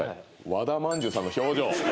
和田まんじゅうさんの表情。